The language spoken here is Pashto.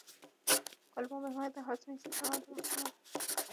کولمو محور د هاضمي سیستم او دماغ ترمنځ دی.